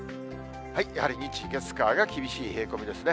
やはり日、月、火が厳しい冷え込みですね。